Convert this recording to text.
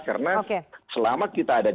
karena selama kita ada di